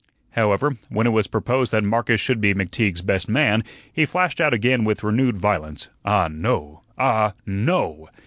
However, when it was proposed that Marcus should be McTeague's best man, he flashed out again with renewed violence. Ah, no! ah, NO!